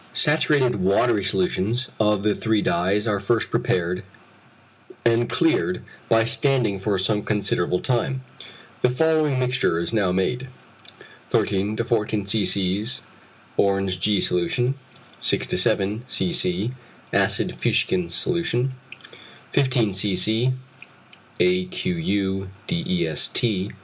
Saturated watery solutions of the three dyes are first prepared, and cleared by standing for some considerable time. The following mixture is now made: 13 14 c.c. Orange g. solution 6 7 c.c. Acid fuchsin solution 15 c.c. Aqu. dest.